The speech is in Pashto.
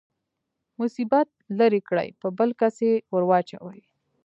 مصیبت لرې کړي په بل کس يې ورواچوي.